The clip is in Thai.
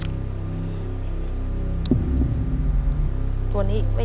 ขอเชิญแม่จำรูนขึ้นมาต่อชีวิต